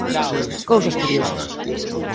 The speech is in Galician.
Cousas curiosas.